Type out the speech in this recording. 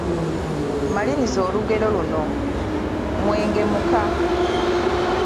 Maliriza olugero luno: Mwenge muka, ….